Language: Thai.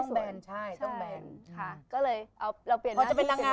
ต้องแบนใช่ต้องแบน